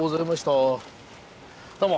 あどうも。